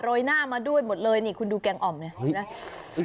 ยหน้ามาด้วยหมดเลยนี่คุณดูแกงอ่อมเนี่ยนะ